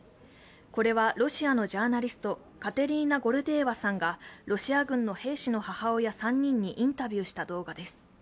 これはロシアのジャーナリスト、カテリーナ・ゴルデエワさんがロシア軍の兵士の母親３人にインタビューした動画です。